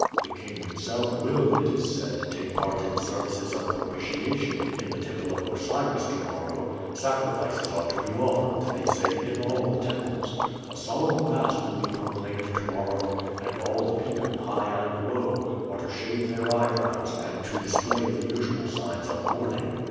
"The king himself will, it is said, take part in services of propitiation in the temple of Osiris to morrow; sacrifices are to be offered, they say, in all the temples. A solemn fast will be proclaimed to morrow, and all the people, high and low, are to shave their eyebrows and to display the usual signs of mourning.